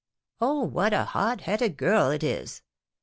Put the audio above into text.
"Oh, what a hot headed girl it is!